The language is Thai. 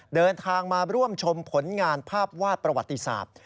เดินทางมาร่วมชมผลงานภาพวาดประวัติศาสตร์